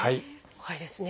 怖いですね。